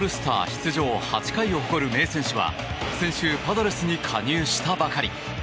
出場８回を誇る名選手は先週パドレスに加入したばかり。